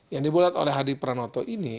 yang dibulat oleh hadi pranoto ini